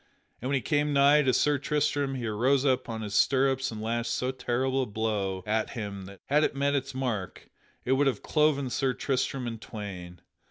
And when he came nigh to Sir Tristram he arose up on his stirrups and lashed so terrible a blow at him that, had it met its mark, it would have cloven Sir Tristram in twain.